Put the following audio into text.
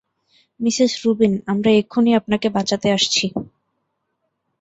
Mrs Rubin, আমরা এক্ষুনি আপনাকে বাঁচাতে আসছি!